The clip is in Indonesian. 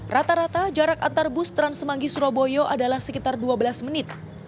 rata rata jarak antar bus trans semanggi surabaya adalah sekitar dua belas menit